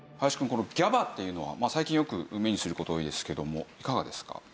このＧＡＢＡっていうのは最近よく目にする事多いですけどもいかがですか？